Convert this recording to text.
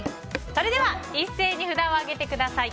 それでは一斉に札を上げてください。